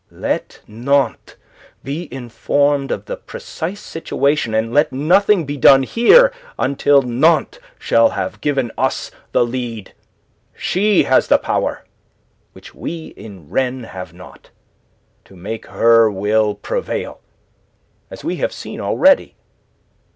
Let Nantes be informed of the precise situation, and let nothing be done here until Nantes shall have given us the lead. She has the power which we in Rennes have not to make her will prevail, as we have seen already.